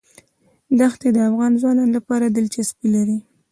دښتې د افغان ځوانانو لپاره دلچسپي لري.